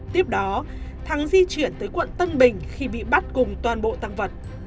tiếp đó thắng di chuyển tới quận tân bình khi bị bắt cùng toàn bộ tăng vật